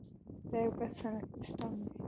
دا یو ګډ صنعتي سیستم دی.